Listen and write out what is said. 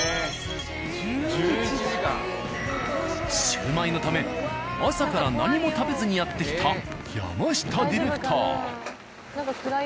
シュウマイのため朝から何も食べずにやって来た山下ディレクター。